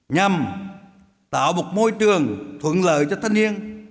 nhằm tạo một môi trường thuận lợi cho thanh niên